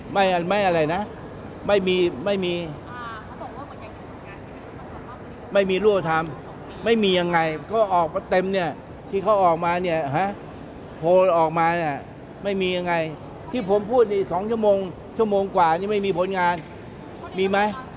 ไม่อะไรเนี้ยไม่มีไม่มี